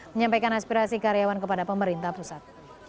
menyampaikan aspirasi karyawan kepada pemerintah pusat